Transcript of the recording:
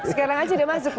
sekarang aja udah masuk